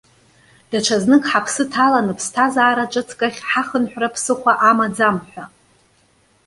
Даҽазнык ҳаԥсы ҭаланы ԥсҭазаара ҿыцк ахь ҳахынҳәра ԥсыхәа амаӡам! ҳәа.